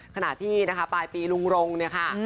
ขณะที่ปลายปีหลวงค่ะ